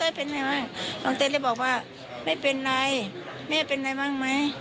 ยายก็เลยพูดอย่างนี้น่ะ